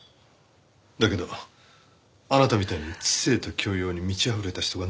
だけどあなたみたいに知性と教養に満ちあふれた人がなぜ？